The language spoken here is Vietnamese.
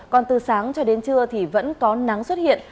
còn từ sáng cho đến trưa thì vẫn có nắng xuất hiện